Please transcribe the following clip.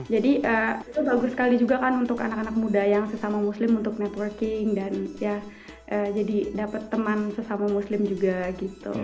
jadi itu bagus sekali juga kan untuk anak anak muda yang sesama muslim untuk networking dan ya jadi dapat teman sesama muslim juga gitu